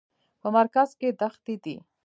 په مرکز کې دښتې دي.